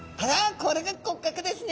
これが骨格ですね！